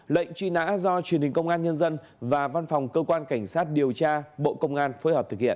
lệnh truy nã do truyền hình công an nhân dân và văn phòng cơ quan cảnh sát điều tra bộ công an phối hợp thực hiện